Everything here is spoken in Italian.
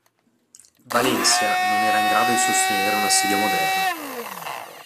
Valencia non era in grado di sostenere un assedio moderno.